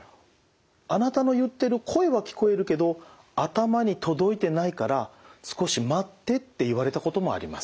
「あなたの言ってる声は聞こえるけど頭に届いてないから少し待って」って言われたこともあります。